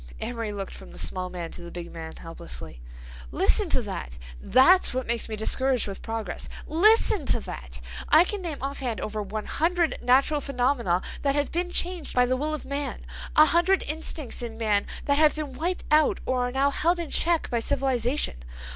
Amory looked from the small man to the big man helplessly. "Listen to that! That's what makes me discouraged with progress. Listen to that! I can name offhand over one hundred natural phenomena that have been changed by the will of man—a hundred instincts in man that have been wiped out or are now held in check by civilization.